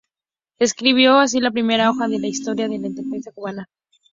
Escribió así la primera hoja de la historia de la independencia cubana.